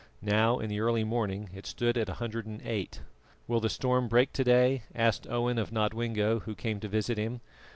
Now, in the early morning, it stood at 108. "Will the storm break to day?" asked Owen of Nodwengo, who came to visit him.